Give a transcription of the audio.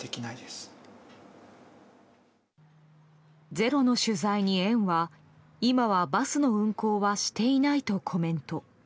「ｚｅｒｏ」の取材に、園は今はバスの運行はしていないとコメント。